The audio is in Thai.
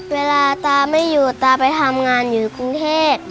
เวลาตาไม่อยู่ตาไปทำงานอยู่กรุงเทพ